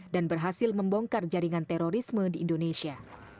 dan berhasil membongkar jaringan terorisme di indonesia